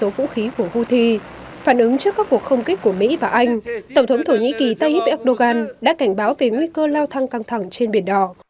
trong một cuộc tấn công của houthi phản ứng trước các cuộc không kích của mỹ và anh tổng thống thổ nhĩ kỳ tayyip erdogan đã cảnh báo về nguy cơ lao thăng căng thẳng trên biển đỏ